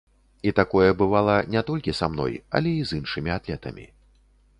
І такое бывала не толькі са мной, але і з іншымі атлетамі.